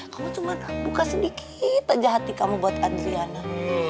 kamu cuman buka sedikit aja hati kamu buat adriana